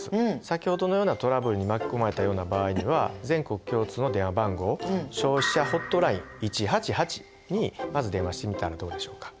先ほどのようなトラブルに巻き込まれたような場合には全国共通の電話番号消費者ホットライン１８８にまず電話してみたらどうでしょうか。